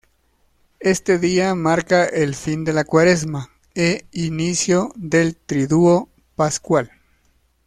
Este día marca el fin de la Cuaresma e inicio del Triduo Pascual.